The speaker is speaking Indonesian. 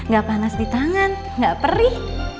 gak panas di tangan gak perih